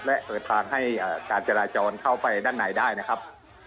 และเปิดทางให้การจราจรเข้าไปด้านในได้นะครับ